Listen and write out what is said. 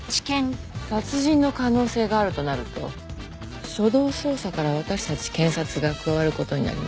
殺人の可能性があるとなると初動捜査から私たち検察が加わる事になりますね。